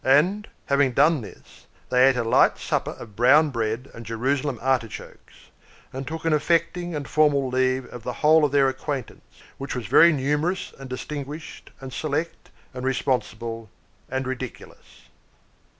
And, having done this, they ate a light supper of brown bread and Jerusalem artichokes, and took an affecting and formal leave of the whole of their acquaintance, which was very numerous and distinguished and select and responsible and ridiculous.